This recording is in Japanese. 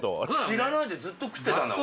知らないでずっと食ってたんだ。